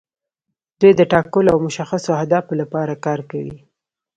دوی د ټاکلو او مشخصو اهدافو لپاره کار کوي.